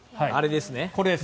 これです。